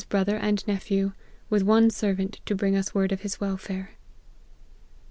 219 brother and nephew, with one servant to bring us word of his welfare.